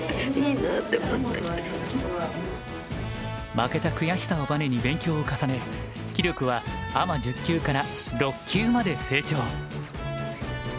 負けた悔しさをバネに勉強を重ね棋力はアマ１０級から６級まで成長。